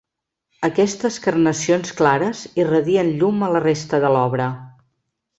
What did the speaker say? Aquestes carnacions clares irradien llum a la resta de l'obra.